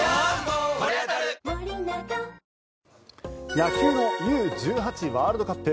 野球のＵ−１８ワールドカップ。